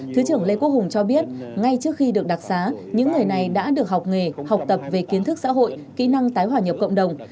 thứ trưởng lê quốc hùng cho biết ngay trước khi được đặc xá những người này đã được học nghề học tập về kiến thức xã hội kỹ năng tái hòa nhập cộng đồng